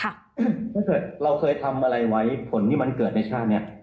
ถ้าเกิดเราเคยทำอะไรไว้ผลที่มันเกิดในชาตินี้